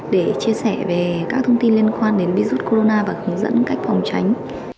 để chia sẻ về các thông tin liên quan đến virus corona và hướng dẫn cách phòng tránh